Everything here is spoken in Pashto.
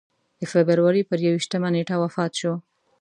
د فبروري پر یوویشتمه نېټه وفات شو.